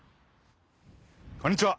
こんにちは